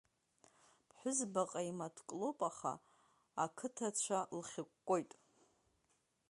Ԥҳәызба ҟаимаҭк лоуп, аха ақыҭа-цәа лхьыкәкәоит!